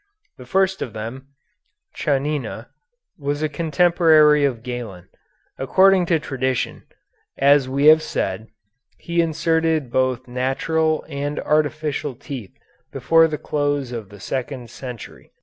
The first of them, Chanina, was a contemporary of Galen. According to tradition, as we have said, he inserted both natural and artificial teeth before the close of the second century.